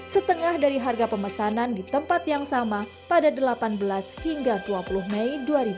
setengah dari harga pemesanan di tempat yang sama pada delapan belas hingga dua puluh mei dua ribu dua puluh